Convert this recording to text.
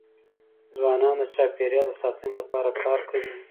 ځوانان د چاپېریال د ساتني لپاره کار کوي.